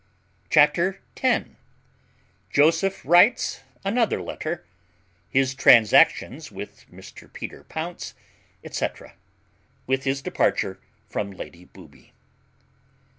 CHAPTER X. _Joseph writes another letter: his transactions with Mr Peter Pounce, &c., with his departure from Lady Booby.